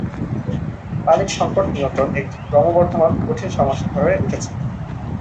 পানির সংকট নিয়ন্ত্রণ একটি ক্রমবর্ধমান কঠিন সমস্যা হয়ে উঠেছে।